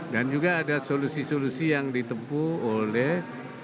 dan juga ada solusi solusi yang ditempu oleh